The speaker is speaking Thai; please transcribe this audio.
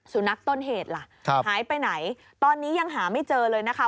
นักต้นเหตุล่ะหายไปไหนตอนนี้ยังหาไม่เจอเลยนะคะ